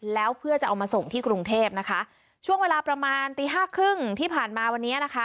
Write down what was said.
แล้วเพื่อจะเอามาส่งที่กรุงเทพนะคะช่วงเวลาประมาณตีห้าครึ่งที่ผ่านมาวันนี้นะคะ